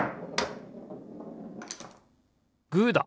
グーだ！